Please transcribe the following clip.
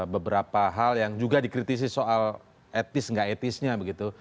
beberapa hal yang juga dikritisi soal etis nggak etisnya begitu